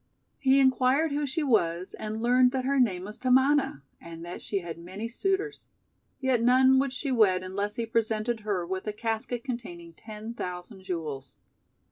He inquired who she was, and learned that her name was Tamana, and that she had many 236 THE WONDER GARDEN suitors. Yet none would she wed unless he pre sented her with a casket containing ten thousand jewels.